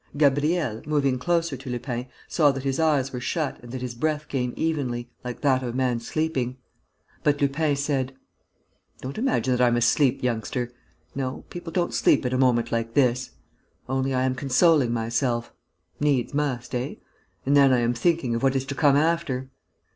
Gabriel, moving closer to Lupin, saw that his eyes were shut and that his breath came evenly, like that of a man sleeping. But Lupin said: "Don't imagine that I'm asleep, youngster. No, people don't sleep at a moment like this. Only I am consoling myself. Needs must, eh?... And then I am thinking of what is to come after....